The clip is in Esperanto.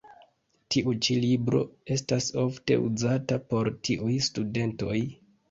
Tiu ĉi libro estas ofte uzata por tiuj studentoj.